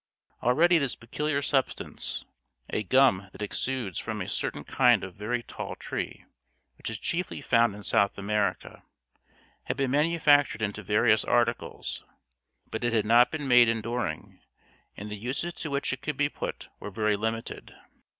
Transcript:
Already this peculiar substance a gum that exudes from a certain kind of very tall tree, which is chiefly found in South America had been manufactured into various articles, but it had not been made enduring, and the uses to which it could be put were very limited.